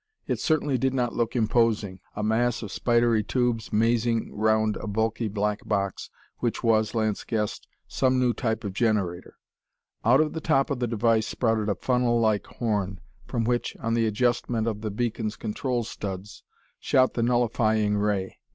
It certainly did not look imposing a mass of spidery tubes mazing round a bulky black box, which was, Lance guessed, some new type of generator. Out of the top of the device sprouted a funnel like horn, from which, on the adjustment of the beacon's control studs, shot the nullifying ray.